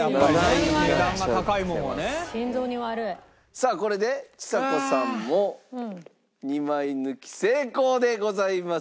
さあこれでちさ子さんも２枚抜き成功でございます。